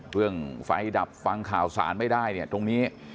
เรื่องไฟดับฟังข่าวสารไม่ได้เนี่ยตรงนี้